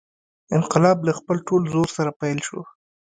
انقلاب له خپل ټول زور سره پیل شو.